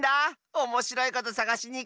おもしろいことさがしにいくの。